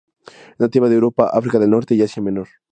Es nativa de Europa, África del Norte, y Asia Menor.